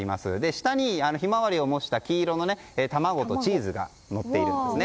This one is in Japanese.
下にヒマワリを模した黄色の卵とチーズがのっているんですね。